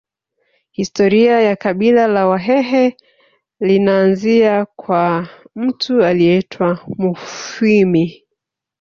Historia ya kabila la Wahehe linaanzia kwa mtu aliyeitwa Mufwimi